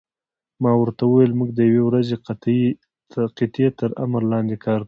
ما ورته وویل: موږ د یوې پوځي قطعې تر امر لاندې کار کوو.